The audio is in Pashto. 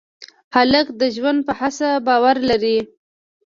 هلک د ژوند په هڅه باور لري.